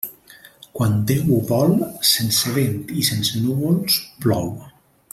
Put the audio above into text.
Quan Déu ho vol, sense vent i sense núvols plou.